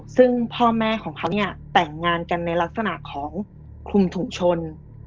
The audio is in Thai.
ซึ่งพ่อแม่ของเขาเนี่ยแต่งงานกันในลักษณะของคลุมถุงชน